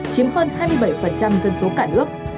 chiếm hơn hai mươi bảy dân số cả nước